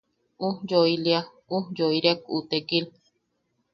Ujyoilia... ujyoiriak u tekil.